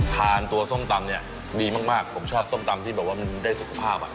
ตัวส้มตำเนี่ยดีมากผมชอบส้มตำที่แบบว่ามันได้สุขภาพ